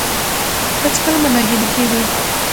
هېڅکله مه ناهیلي کیږئ.